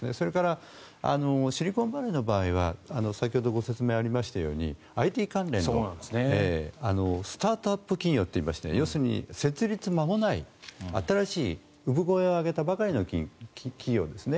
それからシリコンバレーの場合は先ほど説明がありましたがＩＴ関連のスタートアップ企業といいまして要するに設立間もない新しい、産声を上げたばかりの企業ですね。